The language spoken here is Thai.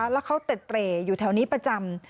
แล้วเขาเต็ดเตร่อยู่แถวนี้ประจำ